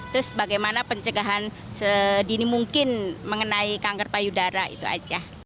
terus bagaimana pencegahan sedini mungkin mengenai kanker payudara itu aja